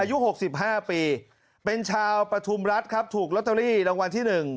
อายุหกสิบห้าปีเป็นชาวประทุมรัฐครับถูกล็อตเตอรี่รางวัลที่หนึ่ง